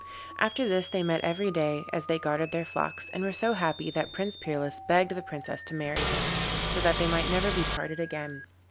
After this they met every day as they guarded their flocks, and were so happy that Prince Peerless begged the Princess to marry him, so that they might never be parted again.